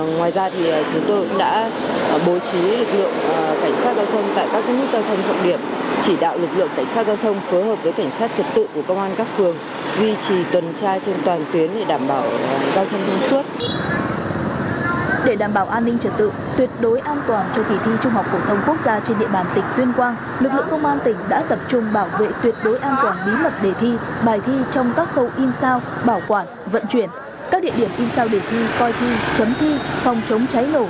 ngoài ra thì chúng tôi đã bố trí lực lượng cảnh sát giao thông tại các công an giao thông trọng điểm chỉ đạo lực lượng cảnh sát giao thông phối hợp với cảnh sát trật tự của công an